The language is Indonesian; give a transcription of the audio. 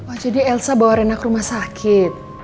oh jadi elsa bawa rena ke rumah sakit